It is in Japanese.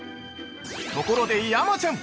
◆ところで、山ちゃん！！